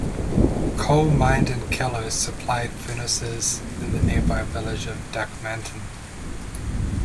Coal mined in Calow supplied furnaces in the nearby village of Duckmanton.